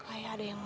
kami telah berdua